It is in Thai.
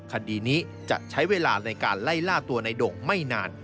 คดีนี้จะใช้เวลาในการไล่ล่าตัวในโด่งไม่นาน